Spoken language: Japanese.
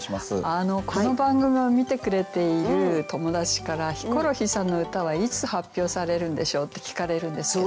この番組を見てくれている友達から「ヒコロヒーさんの歌はいつ発表されるんでしょう？」って聞かれるんですけど。